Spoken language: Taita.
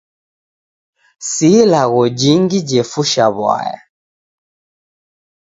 Si ilagho jingi jefusha w'aya.